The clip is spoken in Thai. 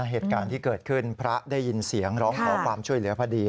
เหตุการณ์ที่เกิดขึ้นพระได้ยินเสียงร้องขอความช่วยเหลือพอดี